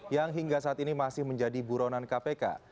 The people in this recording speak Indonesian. yang hingga saat ini masih menjadi buronan kpk